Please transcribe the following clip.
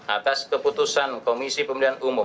atas keputusan komisi pemilihan umum